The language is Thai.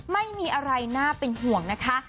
ไม่มีอะไรน่าเป็นห่วงนะคะ